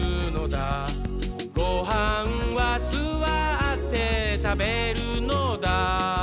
「ごはんはすわってたべるのだ」